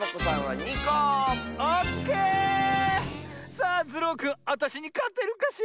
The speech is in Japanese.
さあズルオくんあたしにかてるかしら？